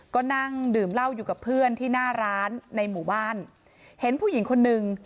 ก็นั่งดื่มเหล้าอยู่กับเพื่อนที่หน้าร้านในหมู่บ้านเห็นผู้หญิงคนนึง